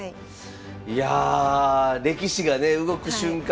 いやあ歴史がね動く瞬間